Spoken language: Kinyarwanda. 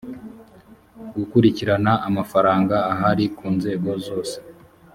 gukurikirana amafaranga ahari ku nzego zose